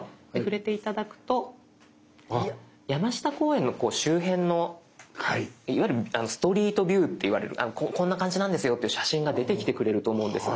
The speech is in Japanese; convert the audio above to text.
山下公園の周辺のいわゆるストリートビューって言われるこんな感じなんですよっていう写真が出てきてくれると思うんです。